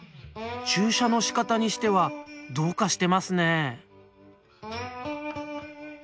駐車のしかたにしてはどうかしてますねえ！